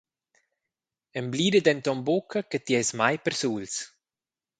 Emblida denton buca che ti eis mai persuls!